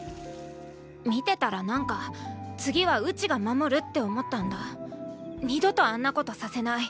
見てたら何か次はうちが守るって思ったんだ二度とあんなことさせない。